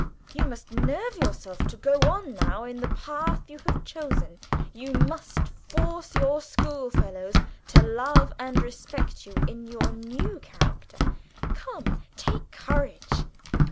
You must nerve yourself to go on now in the path you have chosen; you must force your schoolfellows to love and respect you in your new character. Come, take courage!